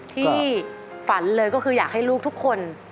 ที่ฝันเลยก็คืออยากให้ลูกทุกคน